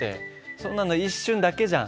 そんなの一瞬だけじゃん。